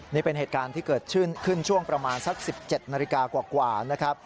นี่เป็นเหตุการณ์ที่เกิดขึ้นช่วงประมาณสัก๑๗นาฬิกากว่านะครับ